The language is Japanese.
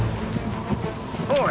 おい！